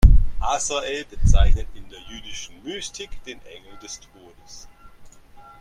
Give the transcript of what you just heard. Azrael bezeichnet in der jüdischen Mystik den Engel des Todes.